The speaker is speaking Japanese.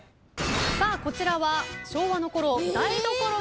さあこちらは昭和のころ